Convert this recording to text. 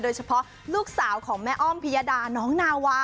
โดยเฉพาะลูกสาวของแม่อ้อมพิยดาน้องนาวา